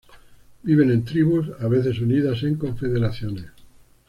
Viven en tribus, a veces unidas en confederaciones.